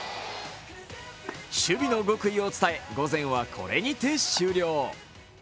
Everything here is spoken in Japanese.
守備の極意を伝え、午前はこれにて終了。